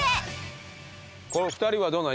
この２人はどうなの？